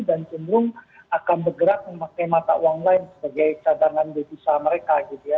dan cenderung akan bergerak memakai mata uang lain sebagai cadangan dedosa mereka gitu ya